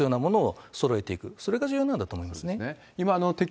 その上で必要なものをそろえていく、それが重要なんだと思いますね。